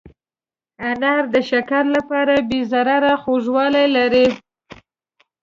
انار د شکر لپاره بې ضرره خوږوالی لري.